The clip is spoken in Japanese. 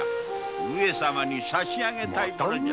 上様に差し上げたい鯛じゃ。